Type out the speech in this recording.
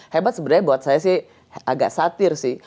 hebat sebenarnya buat saya sih agak satir sih